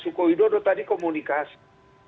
suku widodo tadi komunikasi